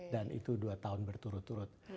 dan itu dua tahun berturut turut